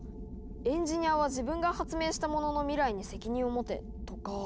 エンジニアは自分が発明したものの未来に責任を持て」とか。